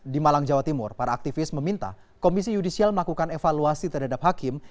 di malang jawa timur para aktivis meminta komisi yudisial melakukan evaluasi terhadap hakim